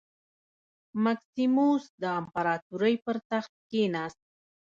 مکسیموس د امپراتورۍ پر تخت کېناست